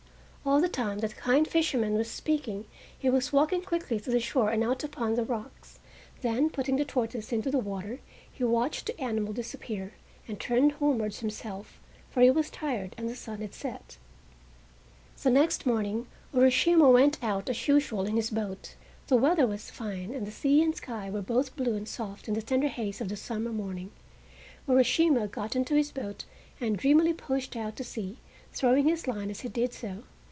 All the time that the kind fisherman was speaking he was walking quickly to the shore and out upon the rocks; then putting the tortoise into the water he watched the animal disappear, and turned homewards himself, for he was tired and the sun had set. The next morning Urashima went out as usual in his boat. The weather was fine and the sea and sky were both blue and soft in the tender haze of the summer morning. Urashima got into his boat and dreamily pushed out to sea, throwing his line as he did so.